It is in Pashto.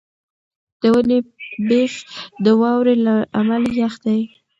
د ونې بېخ د واورې له امله یخ دی.